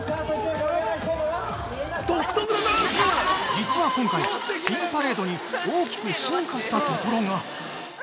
◆実は今回、新パレードに大きく進化したところが！